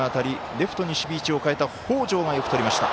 レフトに守備位置を変えた北條が、よくとりました。